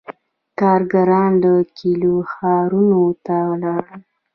• کارګران له کلیو ښارونو ته ولاړل.